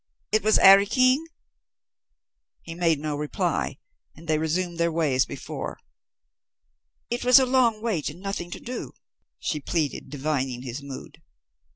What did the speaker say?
"It was 'Arry King?" He made no reply, and they resumed their way as before. "It was long to wait, and nothing to do," she pleaded, divining his mood.